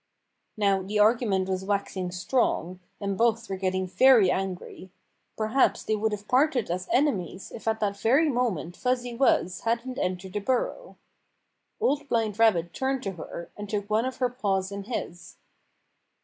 Now the argument was waxing strong, and both were getting very angry. Perhaps they would have parted as enemies if at that very moment Fuzzy Wuzz hadn't entered the burrow. 110 Btunper Makes Fuzzy Wuzz Queen Old Blind Rabbit turned to her, and took one of her paws in his.